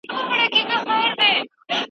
شپږمه ماده د ظاهري درناوي په اړه وه.